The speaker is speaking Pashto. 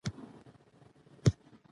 زه خپلي وړتیاوي پېژنم.